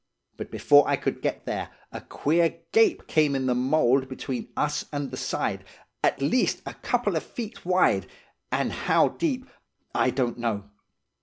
But before I could get there, a queer gape came in the mould between us and the side, at least a couple of feet wide, and how deep I don't know.